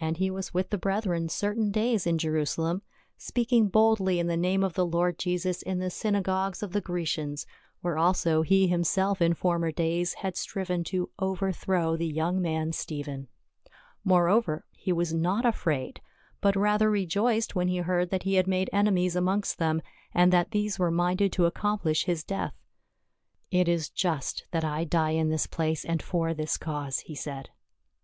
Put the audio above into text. And he was with the brethren certain days in Jerusalem, speaking boldly in the name of the Lord Jesus in the synagogues of the Grecians, where also he himself in former days had striven to over throw the young man Stephen. Moreover, he was not afraid, but the rather rejoiced when he heard that he had made enemies amongst them, and that these were minded to accomplish his death. " It is just that I die in this place and for this cause," he said.